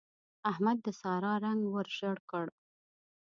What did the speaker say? احمد د سارا رنګ ور ژړ کړ.